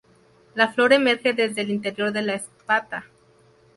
La flor emerge desde el interior de la espata.